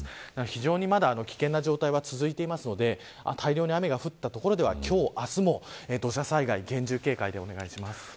非常に危険な状態はまだ続いていますので大量に雨が降った所では今日、明日も土砂災害厳重警戒でお願いします。